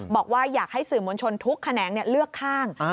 บอกว่าอยากให้สื่อมวลชนทุกแขนงเลือกข้าง